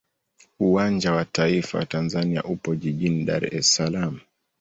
Uwanja wa taifa wa Tanzania upo jijini Dar es Salaam.